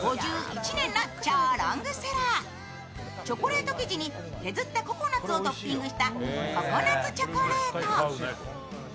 チョコレート生地に削ったココナツをトッピングしたココナツチョコレート。